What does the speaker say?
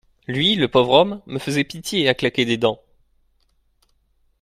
Lui, le pauvre homme, me faisait pitié, à claquer des dents.